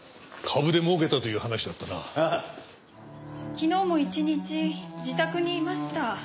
昨日も一日自宅にいました。